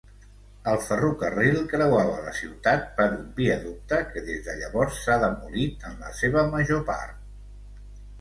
El ferrocarril creuava la ciutat per un viaducte que des de llavors s'ha demolit en la seva major part.